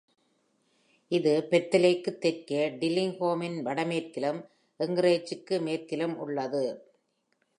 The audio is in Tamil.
இது பெத்தேலுக்கு தெற்கே, டில்லிங்ஹாமின் வடமேற்கிலும், ஏங்கரேஜுக்கு மேற்கிலும் உள்ளது.